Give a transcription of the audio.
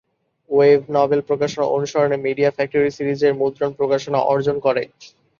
Web novel প্রকাশনার অনুসরণে, Media Factory সিরিজের মুদ্রণ প্রকাশনা অর্জন করে।